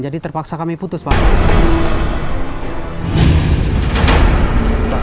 jadi terpaksa kami putus pak